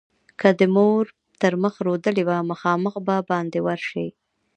که دې مور تر مخ رودلې وه؛ مخامخ به باندې ورشې.